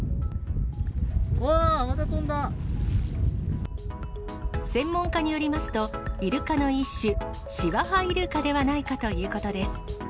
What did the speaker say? わー、専門家によりますと、イルカの一種、シワハイルカではないかということです。